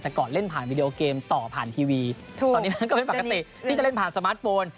แต่ก่อนเล่นผ่านวีดีโอเกมต่อผ่านทีวีตอนนี้นั้นก็เป็นปกติที่จะเล่นผ่านสมาร์ทโฟน